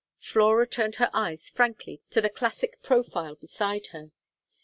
Flora turned her eyes frankly to the classic profile beside her.